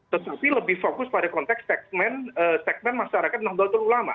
tetapi lebih fokus pada konteks segment masyarakat yang belum terlalu lama